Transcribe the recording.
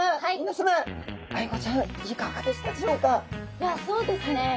いやそうですね